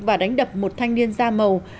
và đánh đập một thanh niên da màu